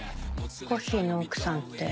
コッヒーの奥さんって。